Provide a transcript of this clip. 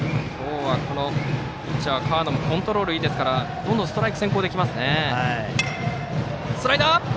ただ、今日はこのピッチャーの河野もコントロールがいいのでどんどんストライク先行で来ますね。